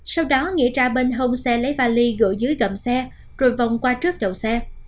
sau đó nghĩa ra bên hông xe lấy vali gửi dưới gầm xe rồi vòng qua trước đầu xe